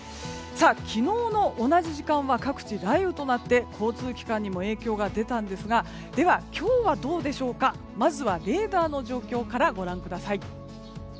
昨日の同じ時間は各地雷雨となって交通機関にも影響が出たんですが今日はどうでしょうかまずはレーダーの状況からご覧ください。